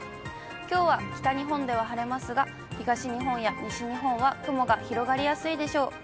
きょうは北日本では晴れますが、東日本や西日本は雲が広がりやすいでしょう。